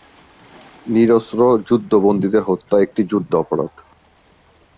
নিরস্ত্র যুদ্ধবন্দীদের হত্যা একটি যুদ্ধাপরাধ।